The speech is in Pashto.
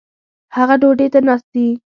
هغه ډوډي ته ناست دي